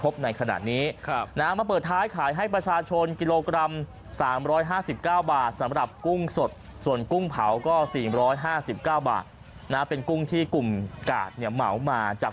๕๙บาทสำหรับกุ้งสดส่วนกุ้งเผาก็๔๕๙บาทนะเป็นกุ้งที่กลุ่มกาดเนี่ยเหมามาจาก